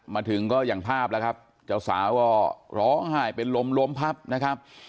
มาถึงก็อย่างภาพนะครับเจ้าสาวก็หล้อหายเป็นลมพับนะครับ